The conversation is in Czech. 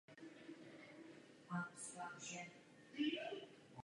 Výstup na rozhlednu začal být životu nebezpečný a musel být proto zakázán.